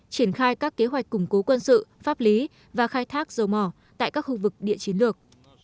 triển khai các kế hoạch củng cố quân sự pháp lý và khai thác dầu mỏ tại các khu vực địa chiến lược